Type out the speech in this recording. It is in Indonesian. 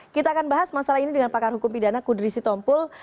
kita akan bahas masalah ini dengan pakar hukum pidana kudri sitompul